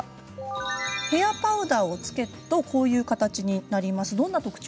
ヘアパウダーを付けるとこういう形になります。